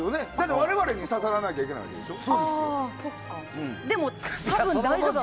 我々に刺さらなきゃいけないということでしょ。